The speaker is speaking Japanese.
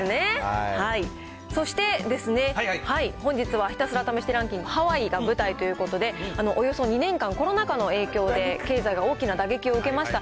そして、本日はひたすら試してランキング、ハワイが舞台ということで、およそ２年間、コロナ禍の影響で経済が大きな打撃を受けました。